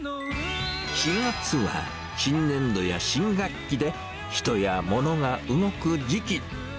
４月は、新年度や新学期で、人や物が動く時期。